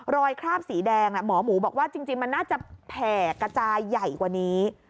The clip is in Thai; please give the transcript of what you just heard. คราบสีแดงหมอหมูบอกว่าจริงมันน่าจะแผ่กระจายใหญ่กว่านี้